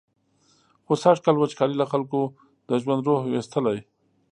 خو سږکال وچکالۍ له خلکو د ژوند روح ویستلی.